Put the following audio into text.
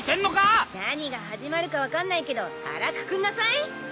何が始まるか分かんないけど腹くくんなさい。